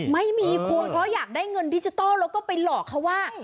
ไม่มีคุณเพราะอยากได้เงินดิจิทัลแล้วก็ไปหลอกเขาว่า